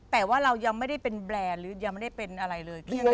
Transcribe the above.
แต่ว่าเรายังไม่ได้เป็นแบรนด์หรือยังไม่ได้เป็นอะไรเลย